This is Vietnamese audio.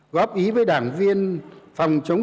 góp ý với đảng viên phòng chống